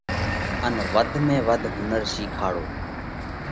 ان وڌ ۾ وڌ هُنر شِيکاڙون۔